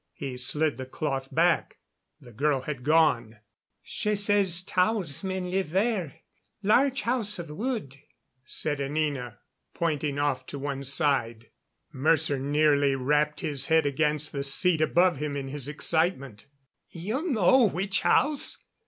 He slid the cloth back; the girl had gone. "She says Tao's men live, there large house, of wood," said Anina, pointing off to one side. Mercer nearly rapped his head against the seat above him in his excitement. "You know which house?